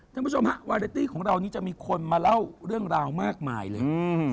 ท่านผู้ชมฮะวาเรตตี้ของเรานี้จะมีคนมาเล่าเรื่องราวมากมายเลย